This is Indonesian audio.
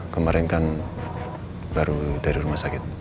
kemarin kan baru dari rumah sakit